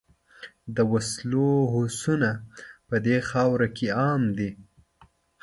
د وسلو هوسونه په دې خاوره کې عام دي.